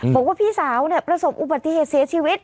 บอกว่าพี่สาวประสบอุบัติเหตุเสียชีวิต